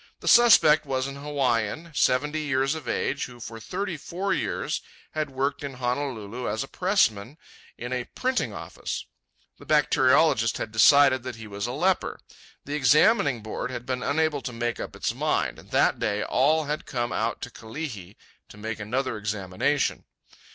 The suspect was an Hawaiian, seventy years of age, who for thirty four years had worked in Honolulu as a pressman in a printing office. The bacteriologist had decided that he was a leper, the Examining Board had been unable to make up its mind, and that day all had come out to Kalihi to make another examination.